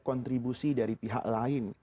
kontribusi dari pihak lain